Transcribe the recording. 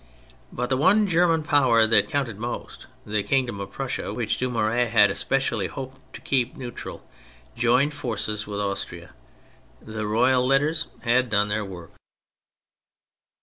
But the one German power that counted most, the kingdom of Prussia, which Dumouriez had especially hoped to keep neutral, joined forces with Austria. The royal letters had done their work.